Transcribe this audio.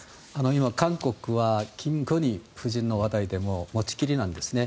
今、韓国はキム・ゴンヒ夫人の話題で持ち切りなんですね。